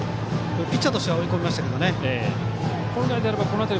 ピッチャーとしては追い込みましたけどね。